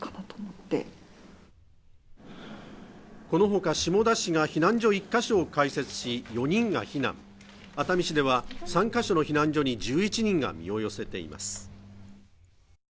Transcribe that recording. このほか下田市が避難所１ヶ所を開設し、４人が避難、熱海市では３ヶ所の避難所に１１人が身を寄せています。